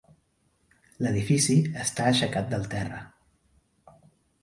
L'edifici està aixecat del terra.